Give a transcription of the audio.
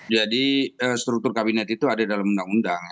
jadi struktur kabinet itu ada dalam undang undang